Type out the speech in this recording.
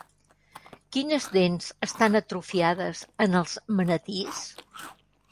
Quines dents estan atrofiades en els manatís?